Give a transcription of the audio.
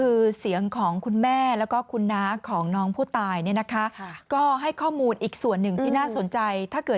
ฟังเสียงคุณแม่และก็น้องที่เสียชีวิตค่ะ